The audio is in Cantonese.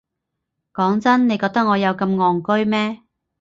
講真，你覺得我有咁戇居咩？